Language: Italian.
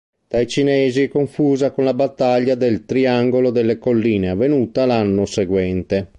Dai cinesi è confusa con la battaglia del "triangolo delle colline" avvenuta l'anno seguente.